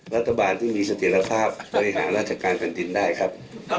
รัฐบาลที่มีเสถียรภาพบริหารราชการแผ่นดินได้ครับ